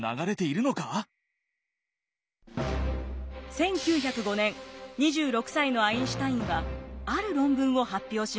１９０５年２６歳のアインシュタインはある論文を発表します。